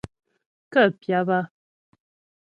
Kə́ pyáp á.